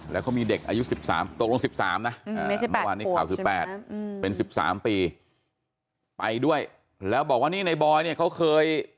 แล้วเขามีเด็กอายุ๑๓ตกลง๑๓นะเป็น๑๓ปีไปด้วยแล้วบอกว่านี่ไนบอยเนี่ยเขาเคย